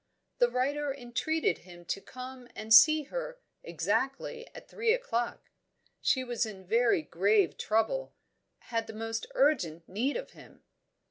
The writer entreated him to come and see her exactly at three o'clock; she was in very grave trouble, had the most urgent need of him.